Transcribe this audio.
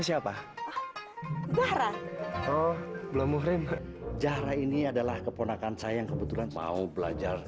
siapa dahra oh belum muhrim jahra ini adalah keponakan saya yang kebetulan mau belajar